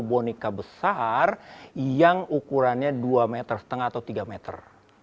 boneka besar yang ukurannya dua meter setengah atau tiga meter